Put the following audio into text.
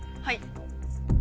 はい。